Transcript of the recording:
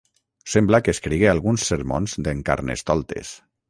Sembla que escrigué alguns sermons d'en Carnestoltes.